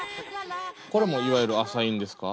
これもいわゆるアサインですか？